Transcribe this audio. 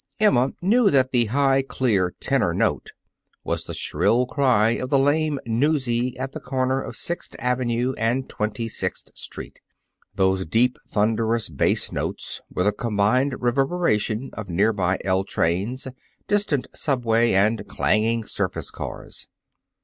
Emma knew that the high, clear tenor note was the shrill cry of the lame "newsie" at the corner of Sixth Avenue and Twenty sixth Street. Those deep, thunderous bass notes were the combined reverberation of nearby "L" trains, distant subway and clanging surface cars.